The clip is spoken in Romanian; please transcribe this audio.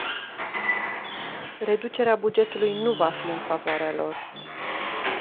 Reducerea bugetului nu va fi în favoarea lor.